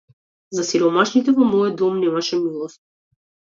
За сиромашните во мојот дом немаше милост.